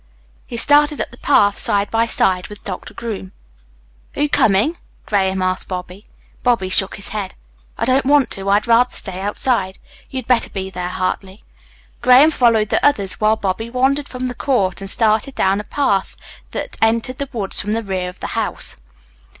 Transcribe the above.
He started up the path, side by side with Doctor Groom. "Are you coming?" Graham asked Bobby. Bobby shook his head. "I don't want to. I'd rather stay outside. You'd better be there, Hartley." Graham followed the others while Bobby wandered from the court and started down a path that entered the woods from the rear of the house.